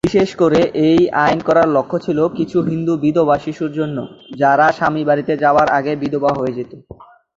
বিশেষ করে এই আইন করার লক্ষ্য ছিল কিছু হিন্দু বিধবা শিশুর জন্য, যার স্বামী বাড়িতে যাবার আগে বিধবা হয়ে যেতো।